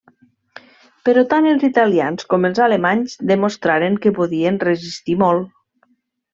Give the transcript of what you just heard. Però tant els italians com els alemanys demostraren que podien resistir molt.